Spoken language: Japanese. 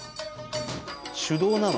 手動なの？